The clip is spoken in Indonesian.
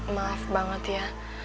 maaf banget ya